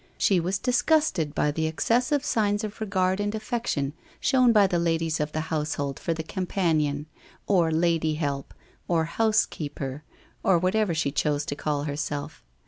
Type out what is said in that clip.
She was disgusted by the excessive signs of regard and affection shown by the ladies of the household for the Companion, or Lady Help, or Housekeeper, or whatever she chose to call her self.